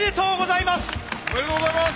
おめでとうございます！